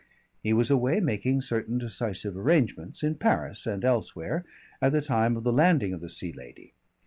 He was away making certain decisive arrangements, in Paris and elsewhere, at the time of the landing of the Sea Lady.